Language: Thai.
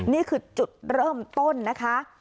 นี่คือจุดเริ่มต้นนะคะ